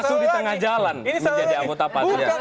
masuk di tengah jalan menjadi anggota pansus